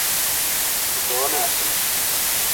تھو کونے اسیلیت؟